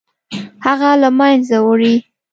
هغه له منځه وړي.